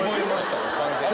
完全に。